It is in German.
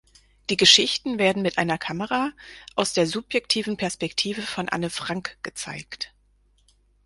Die Geschichten werden mit einer Kamera aus der subjektiven Perspektive von Anne Frank gezeigt.